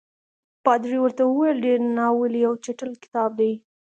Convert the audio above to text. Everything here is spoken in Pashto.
پادري ورته وویل ډېر ناولی او چټل کتاب دی.